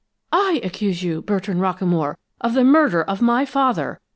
"I accuse you, Bertrand Rockamore, of the murder of my father!